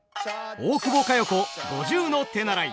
大久保佳代子五十の手習い。